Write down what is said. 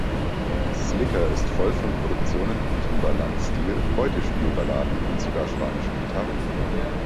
Slicker ist voll von Produktionen im Timbaland-Stil, Beutespielballaden und sogar spanischen Gitarren.